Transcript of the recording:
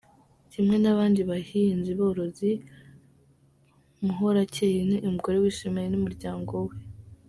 Kimwe n’abandi bahinzi-borozi, Muhorakeye ni umugore wishimanye n’umuryango we.